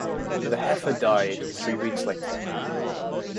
The heifer died three weeks later.